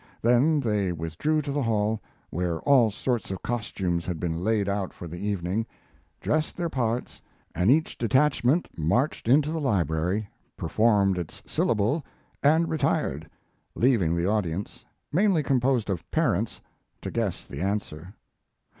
Then they withdrew to the hall, where all sorts of costumes had been laid out for the evening, dressed their parts, and each detachment marched into the library, performed its syllable and retired, leaving the audience, mainly composed of parents, to guess the answer.